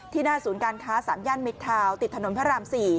หน้าศูนย์การค้า๓ย่านมิดทาวน์ติดถนนพระราม๔